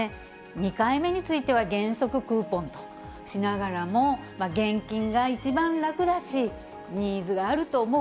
２回目については原則クーポンとしながらも、現金が一番楽だし、ニーズがあると思う。